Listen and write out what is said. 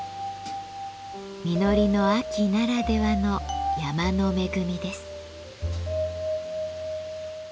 実りの秋ならではの山の恵みです。